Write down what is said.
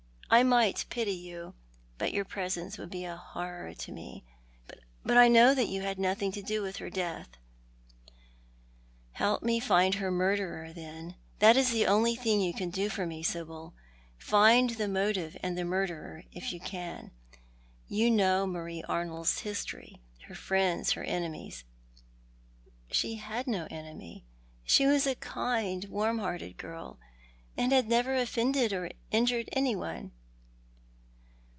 I might pity you, but your presence would be a horror to me. But I know that you had nothing to do with her death." " Help me to find her murderer, then, that is the only thing you can do for mc, Sibyl. Find the motive and the murderer, if you can. You know Marie Arnold's history, her friends, and enemies." "She had no enemy. She was a kind, warm hearted girl, and had never offended or injured anyone."